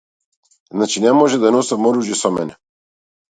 Значи не може да носам оружје со мене.